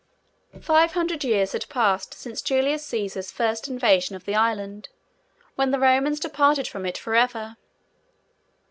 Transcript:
Five hundred years had passed, since Julius Cæsar's first invasion of the Island, when the Romans departed from it for ever.